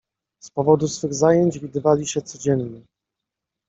Z powodu swych zajęć widywali się codziennie.